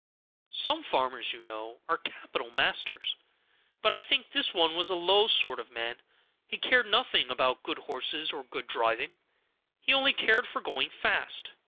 "Some farmers, you know, are capital masters; but I think this one was a low sort of man. He cared nothing about good horses or good driving; he only cared for going fast.